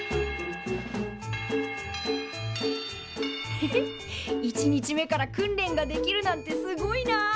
ヘヘッ１日目から訓練ができるなんてすごいな！